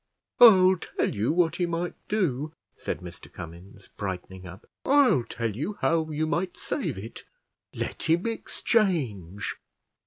"I'll tell you what he might do," said Mr Cummins, brightening up. "I'll tell you how you might save it: let him exchange."